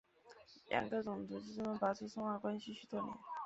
两个种族就这么保持松散的关系许多年。